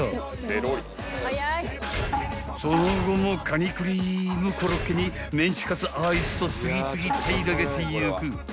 ［その後もカニクリームコロッケにメンチカツアイスと次々平らげていく］